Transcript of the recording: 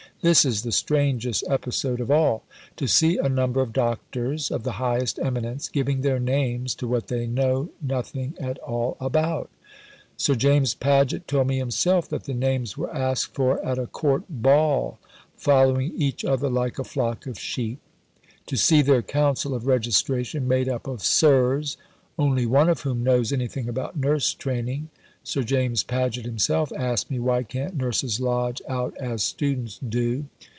this is the strangest episode of all to see a number of Doctors of the highest eminence giving their names to what they know nothing at all about. Sir James Paget told me himself that the names were asked for at a Court Ball, following each other like a flock of sheep; to see their Council of Registration made up of Sirs, only one of whom knows anything about nurse training (Sir James Paget himself asked me, why can't nurses lodge out as students do!!)